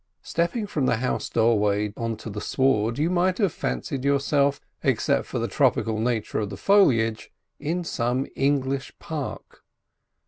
Stepping from the house doorway on to the sward you might have fancied yourself, except for the tropical nature of the foliage, in some English park.